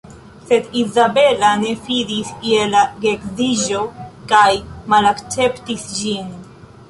Sed Izabela ne fidis je la geedziĝo kaj malakceptis ĝin.